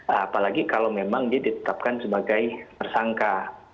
apalagi kalau memang dia ditetapkan sebagai tersangka